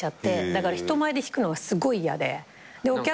だから人前で弾くのがすごい嫌で。